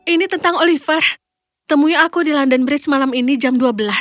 ini tentang oliver temui aku di london bridge malam ini jam dua belas